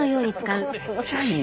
めっちゃいい！